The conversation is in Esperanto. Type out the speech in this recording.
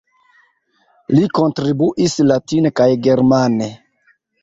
Li kontribuis latine kaj germane.